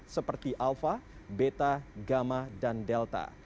seperti alpha beta gamma dan delta